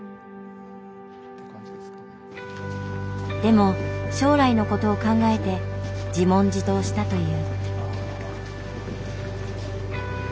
でも将来のことを考えて自問自答したという。